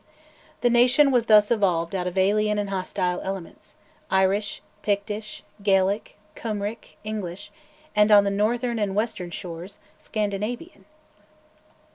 The nation was thus evolved out of alien and hostile elements, Irish, Pictish, Gaelic, Cymric, English, and on the northern and western shores, Scandinavian.